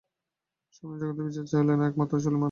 স্বপ্নের জগতে বিচার চলে না, একমাত্র চলে মেনে-চলা।